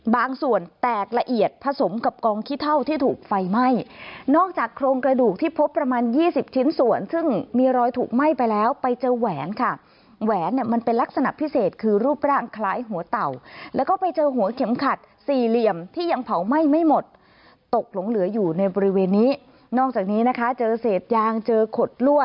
บางส่วนแตกละเอียดผสมกับกองขี้เท่าที่ถูกไฟไหม้นอกจากโครงกระดูกที่พบประมาณยี่สิบชิ้นส่วนซึ่งมีรอยถูกไหม้ไปแล้วไปเจอแหวนค่ะแหวนเนี่ยมันเป็นลักษณะพิเศษคือรูปร่างคล้ายหัวเต่าแล้วก็ไปเจอหัวเข็มขัดสี่เหลี่ยมที่ยังเผาไหม้ไม่หมดตกหลงเหลืออยู่ในบริเวณนี้นอกจากนี้นะคะเจอเศษยางเจอขล